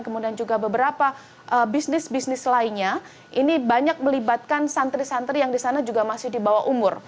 kemudian juga beberapa bisnis bisnis lainnya ini banyak melibatkan santri santri yang di sana juga masih di bawah umur